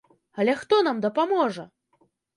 Але хто нам дапаможа?